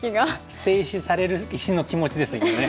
捨て石される石の気持ちですね